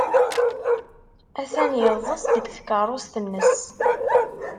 Atan yeḍḍes deg tkeṛṛust-nnes.